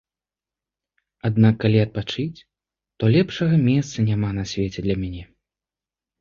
Аднак калі адпачыць, то лепшага месца няма на свеце для мяне.